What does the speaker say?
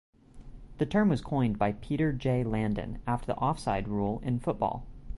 The term was coined by Peter J. Landin, after the offside rule in football.